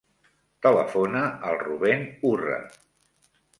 Telefona al Rubèn Urra.